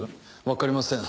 分かりません